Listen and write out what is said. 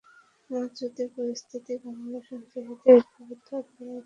মহাযুদ্ধের পরিস্থিতি বাংলার সন্ত্রাসীদেরকে ঐক্যবদ্ধ আন্দোলন করার সুযোগ করে দেয়।